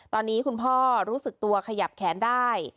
ตอนนี้คุณพ่อรู้สึกตัวขยับแขนได้